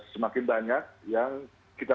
semakin banyak yang kita